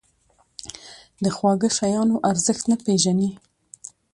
د خواږه شیانو ارزښت نه پېژني.